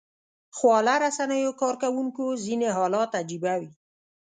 خواله رسنیو کاروونکو ځینې حالات عجيبه وي